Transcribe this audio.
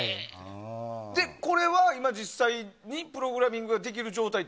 これは今、実際にプログラミングができる状態？